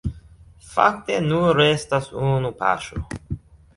Fakte, nur restas unu paŝo.